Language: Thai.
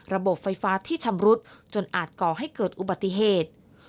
ระบบไฟฟ้าที่ชำรุดจนอาจก่อให้เกิดอุบัติเหตุ